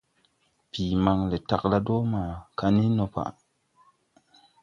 Bii man le tagla dɔɔ maa kanin ne pa ni.